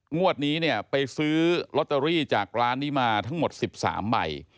งวดนี้เนี่ยไปซื้อลอตเตอรี่จากร้านนี้มาทั้งหมด๑๓ใบ